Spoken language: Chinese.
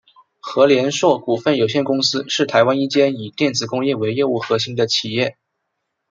禾联硕股份有限公司是台湾一间以电子工业为业务核心的企业。